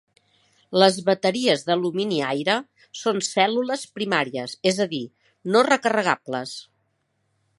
Les bateries d'alumini-aire són cèl·lules primàries, és a dir, no recarregables.